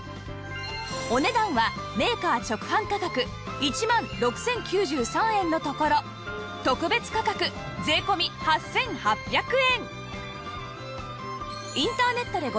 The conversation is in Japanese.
お値段はメーカー直販価格１万６０９３円のところ特別価格税込８８００円